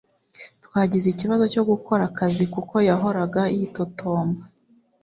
twagize ikibazo cyo gukora akazi kuko yahoraga yitotomba